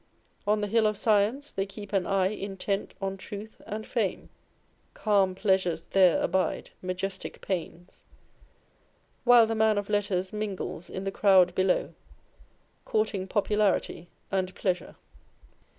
On the hill of science, they keep an eye intent on truth and fame : Calm pleasures there abide, majestic pains, while the man of letters mingles in the crowd below, courting popularity and pleasure.